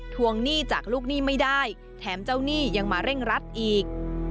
วงหนี้จากลูกหนี้ไม่ได้แถมเจ้าหนี้ยังมาเร่งรัดอีก